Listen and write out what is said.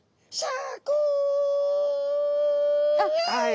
はい。